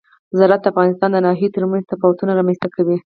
زراعت د افغانستان د ناحیو ترمنځ تفاوتونه رامنځ ته کوي.